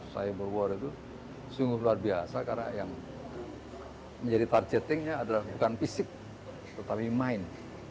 cyber war itu sungguh luar biasa karena yang menjadi targetingnya adalah bukan fisik tetapi main